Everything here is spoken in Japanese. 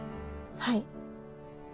はい。